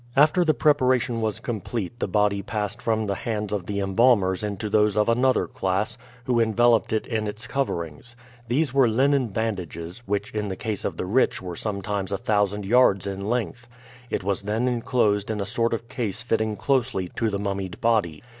After the preparation was complete the body passed from the hands of the embalmers into those of another class, who enveloped it in its coverings. These were linen bandages, which in the case of the rich were sometimes a thousand yards in length. It was then inclosed in a sort of case fitting closely to the mummied body.